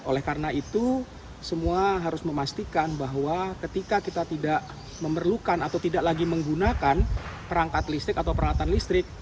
oleh karena itu semua harus memastikan bahwa ketika kita tidak memerlukan atau tidak lagi menggunakan perangkat listrik atau peralatan listrik